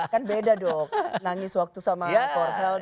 kan beda dong nangis waktu sama korsel dengan nangis jepun